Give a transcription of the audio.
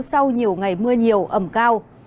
sau nhiều ngày mưa nhiều ẩm cao